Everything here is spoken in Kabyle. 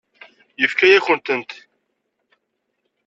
Yefka-yakent-tent.